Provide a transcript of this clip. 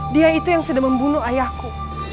dia itu yang sudah membunuh ayahku